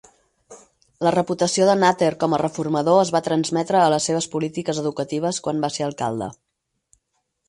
La reputació de Nutter com a reformador es va transmetre a les seves polítiques educatives quan va ser alcalde.